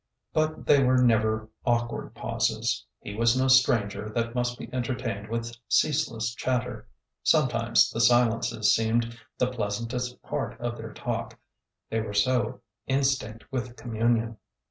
But they were never awkward pauses ; he was no stranger that must be entertained with ceaseless chatter. Sometimes the silences seemed the pleasantest part of their talk,— they were so instinct with communion.